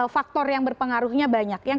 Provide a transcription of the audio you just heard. faktor yang berpengaruhnya banyak yang